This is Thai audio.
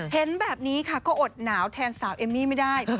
เห็นแบบนี้ค่ะก็อดหนาวแทนสาวเอมมี่ไม่ได้